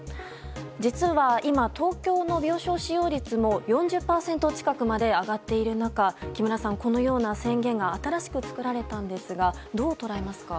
実は今、東京の病床使用率も４０％近くまで上がっている中木村さん、このような宣言が新しく作られたんですがどう捉えますか。